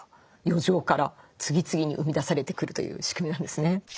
余剰から次々に生み出されてくるという仕組みなんですね。